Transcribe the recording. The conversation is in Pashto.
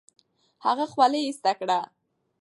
هغه خولۍ ایسته کړه.